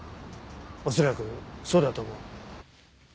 恐らくそうだと思う。